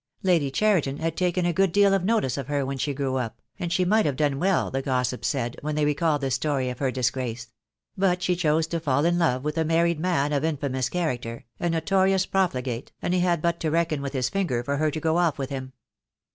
Lady Cheriton had taken a good deal of notice of her when she grew up, and she might have done well, the gossips said, when they recalled the story of her disgrace; but she chose to fall in love with a married man of infamous character, a notorious profligate, and he had but to beckon with his finger for her to go off with him.